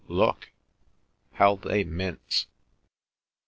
Look! How they mince!"